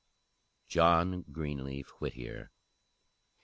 JOHN GREENLEAF WHITTIER.